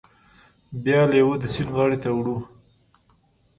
بیا لیوه د سیند غاړې ته وړو.